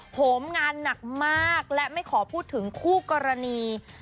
โหมงานหนักมากและไม่ขอพูดถึงคู่กรณี